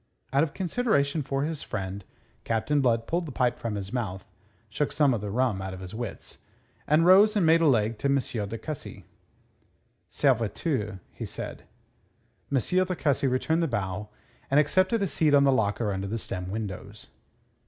Out of consideration for his friend, Captain Blood pulled the pipe from his mouth, shook some of the rum out of his wits, and rose and made a leg to M. de Cussy. "Serviteur!" said he. M. de Cussy returned the bow and accepted a seat on the locker under the stem windows.